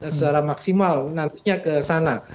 secara maksimal nantinya ke sana